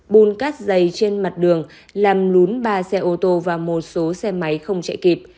bùn cát dày trên mặt đường làm lún ba xe ô tô và một số xe máy không chạy kịp